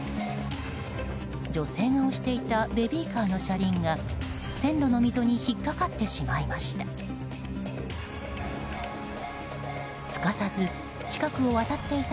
女性が押していたベビーカーの車輪が線路の溝に引っかかってしまいました。